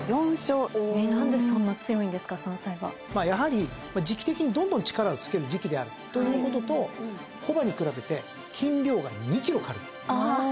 まあやはり時期的にどんどん力をつける時期であるということと牡馬に比べて斤量が２ｋｇ軽い。